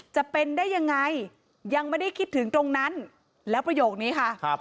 จะเป็นได้ยังไงยังไม่ได้คิดถึงตรงนั้นแล้วประโยคนี้ค่ะ